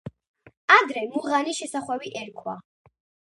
ადრე მუღანის შესახვევი ერქვა.